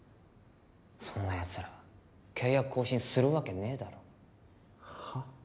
そんなやつら契約更新するわけねえだろはっ？